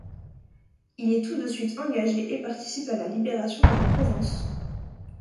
Il est tout de suite engagé et participe à la libération de la Provence.